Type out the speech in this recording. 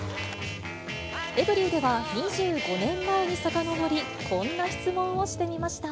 エブリィでは２５年前にさかのぼり、こんな質問をしてみました。